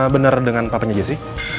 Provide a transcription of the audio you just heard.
benar dengan papanya jesse